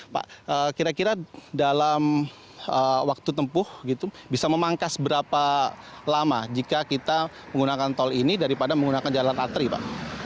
pak kira kira dalam waktu tempuh bisa memangkas berapa lama jika kita menggunakan tol ini daripada menggunakan jalan atri pak